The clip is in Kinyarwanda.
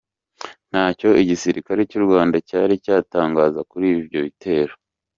Ntacyo igisirikare cy’u Rwanda cyari cyatangaza kuri ibyo bitero.